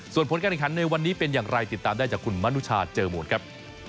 ส่วนผลการแข่งขันในวันนี้เป็นอย่างไรติดตามได้จากคุณมนุชาเจอหมดครับ